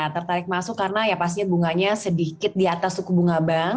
tertarik masuk karena ya pastinya bunganya sedikit di atas suku bunga bank